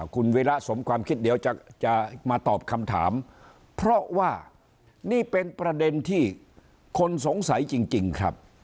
คุณวิระสมความคิดเดี๋ยวจะมาตอบคำถามเพราะว่านี่เป็นประเด็นที่คนสงสัยจริงครับ